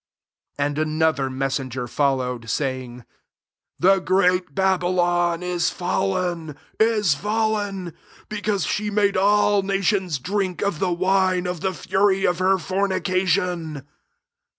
8 And another messeng^ followed, saying, The great Babylon is fallen, is fallen ; [6f cauae'] she made all nations drink of the wine [of the fury] of her fornication."